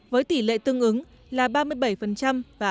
với tỉ lệ tương ứng là ba mươi bảy và hai mươi năm